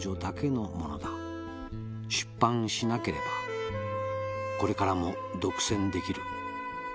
「出版しなければこれからも独占出来る」